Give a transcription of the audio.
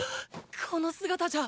この姿じゃ。